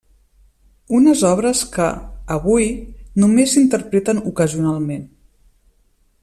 Unes obres que, avui, només s'interpreten ocasionalment.